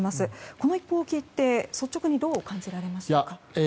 この一報を聞いて率直にどう感じられましたか？